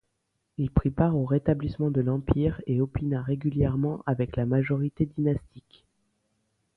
Il prit part au rétablissement de l'Empire, et opina régulièrement avec la majorité dynastique.